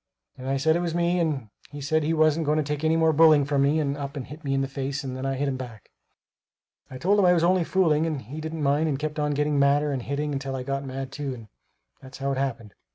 and I said it was me, and he said he wasn't going to take any more bullying from me and up and hit me in the face and then I hit him back. I told him I was only fooling, but he didn't mind and kept on getting madder and hitting till I got mad too and that's how it happened.